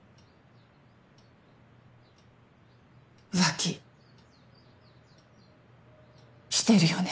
浮気してるよね？